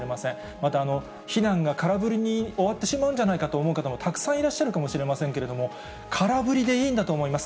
また、避難が空振りに終わってしまうんじゃないかと思ってしまう方もたくさんいらっしゃるかもしれませんけれども、空振りでいいんだと思います。